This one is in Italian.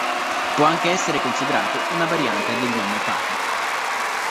Può anche essere considerato una variante del nome Patrick.